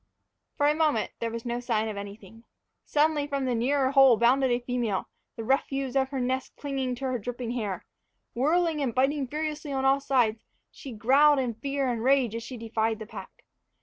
For a moment there was no sign of anything. Suddenly from the nearer hole bounded a female, the refuse of her nest clinging to her dripping hair. Whirling and biting furiously on all sides, she growled in fear and rage as she defied the pack.